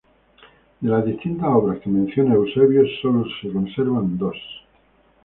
De las distintas obras que menciona Eusebio, sólo se conservan dos.